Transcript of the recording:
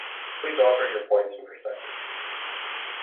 Please offer your points and perspectives.